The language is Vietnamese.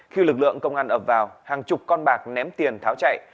khi lực lượng công an ập vào hàng chục con bạc ném tiền tháo chạy